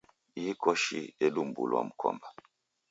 Ihi koshi yedumbulwa mkomba.